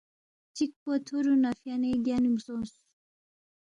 چِکپو تُھورُو نہ فیانے گینُو سونگس